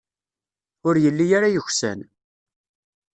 Ur yelli ara yeksan.